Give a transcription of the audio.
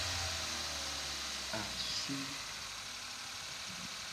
Asu.